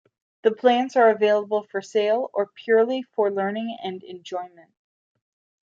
The plants are available for sale, or purely for learning and enjoyment.